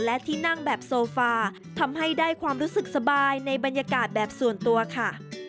และที่นั่งแบบโซฟาทำให้ได้ความรู้สึกสบายในบรรยากาศแบบส่วนตัวค่ะ